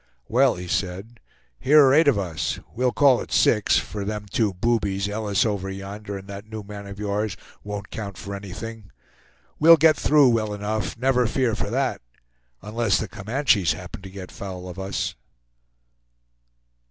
"Well!" he said, "here are eight of us; we'll call it six for them two boobies, Ellis over yonder, and that new man of yours, won't count for anything. We'll get through well enough, never fear for that, unless the Comanches happen to get foul of us."